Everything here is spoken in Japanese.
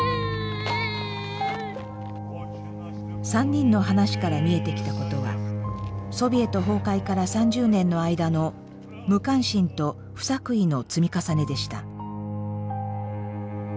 ３人の話から見えてきたことはソビエト崩壊から３０年の間の無関心と不作為の積み重ねでした。